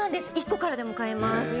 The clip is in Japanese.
１個からでも買えます。